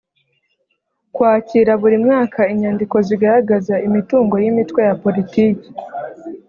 kwakira buri mwaka inyandiko zigaragaza imitungo y’imitwe ya politiki